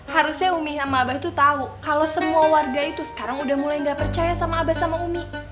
harusnya umi sama abah tuh tahu kalau semua warga itu sekarang udah mulai gak percaya sama abah sama umi